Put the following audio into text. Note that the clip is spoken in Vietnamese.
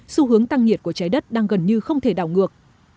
xu hướng tăng nhiệt của trái đất đang gần như không thể đảo ngược